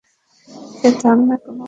সে ধর্মে কোন কল্যাণ নেই।